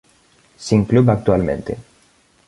Sin club actualmente.